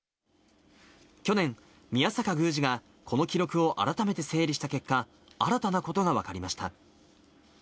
去年、宮坂宮司がこの記録を改めて整理した結果、新たなことが分かりました。